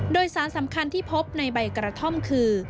โดยสารสำคัญที่พบในใบกระท่อมคือ